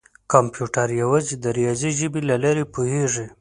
کمپیوټر یوازې د ریاضي ژبې له لارې پوهېږي.